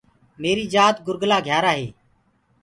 ميريٚ جات گُرگُلا(گهيارآ) هي۔